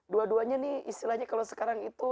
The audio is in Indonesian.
dua duanya nih istilahnya kalau sekarang itu